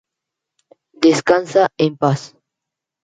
Descansa en paz"".